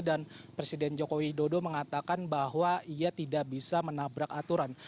dan presiden joko widodo mengatakan bahwa ia tidak bisa menabrak aturan